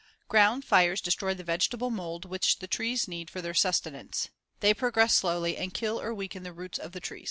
Ground fires destroy the vegetable mold which the trees need for their sustenance. They progress slowly and kill or weaken the roots of the trees.